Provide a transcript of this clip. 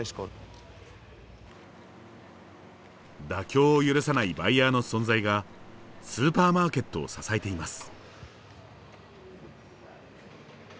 妥協を許さないバイヤーの存在がスーパーマーケットを支えています。